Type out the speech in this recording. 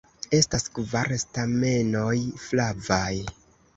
Estas kvar stamenoj, flavaj.